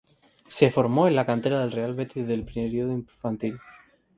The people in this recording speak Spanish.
Se formó en la cantera del Real Betis desde el periodo infantil.